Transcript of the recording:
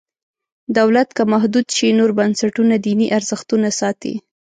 دولت که محدود شي نور بنسټونه دیني ارزښتونه ساتي.